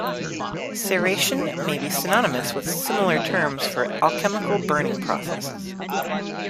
Ceration may be synonymous with similar terms for alchemical burning processes.